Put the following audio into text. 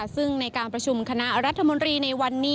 ซึ่งในการประชุมคณะรัฐมนตรีในวันนี้